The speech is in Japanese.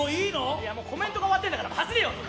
コメントが終わってるんだから、走れよ！